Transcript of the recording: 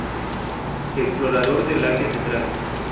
Explorador del Asia Central.